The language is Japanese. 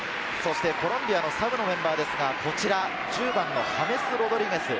コロンビアのサブのメンバーですが、１０番のハメス・ロドリゲス。